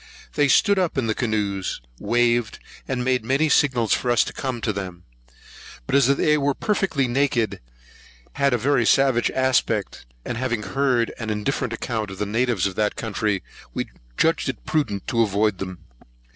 They stood up in the canoes, waved, and made many signs for us to come to them. But as they were perfectly naked, had a very savage aspect, and having heard an indifferent account of the natives of that country, we judged it prudent to avoid them.